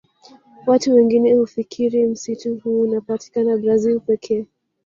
Watu wengine hufikiri msitu huu unapatikana Brazil pekee